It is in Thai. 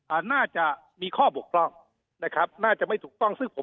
อาจจะมีข้อบกพร่องนะครับน่าจะไม่ถูกต้องซึ่งผม